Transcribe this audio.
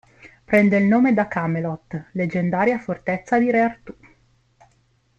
Prende il nome da Camelot, leggendaria fortezza di re Artù.